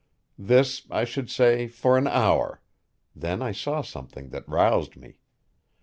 This, I should say, for an hour; then I saw something that roused me.